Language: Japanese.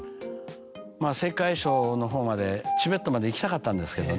青海省の方までチベットまで行きたかったんですけどね